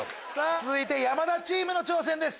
続いて山田チームの挑戦です。